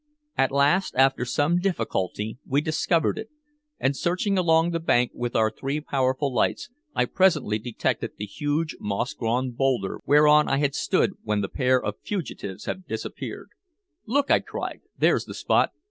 At last, after some difficulty, we discovered it, and searching along the bank with our three powerful lights, I presently detected the huge moss grown boulder whereon I had stood when the pair of fugitives had disappeared. "Look!" I cried. "There's the spot!"